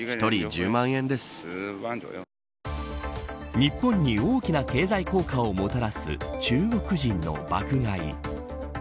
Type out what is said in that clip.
日本に大きな経済効果をもたらす中国人の爆買い。